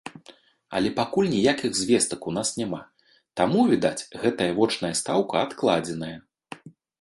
Але пакуль ніякіх звестак ў нас няма, таму, відаць, гэтая вочная стаўка адкладзеная.